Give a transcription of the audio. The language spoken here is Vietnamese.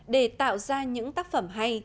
để tạo ra những tác phẩm hay